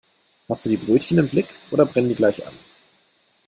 Hast du die Brötchen im Blick oder brennen die gleich an?